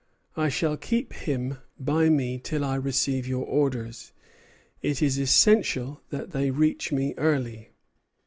I shall keep him by me till I receive your orders. It is essential that they reach me early."